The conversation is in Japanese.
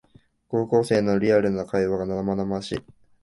高校生のリアルな会話が生々しい